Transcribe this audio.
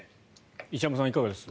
石山さん、いかがです？